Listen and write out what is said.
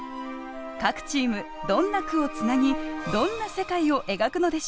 各チームどんな句をつなぎどんな世界を描くのでしょう。